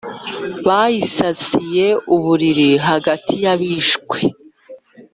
Bayisasiye uburiri hagati y abishwe